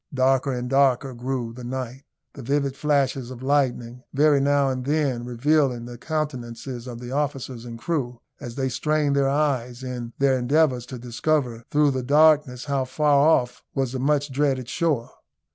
Darker and darker grew the night; the vivid flashes of lightning very now and then revealing the countenances of the officers and crew, as they strained their eyes in their endeavours to discover through the darkness how far off was the much dreaded shore.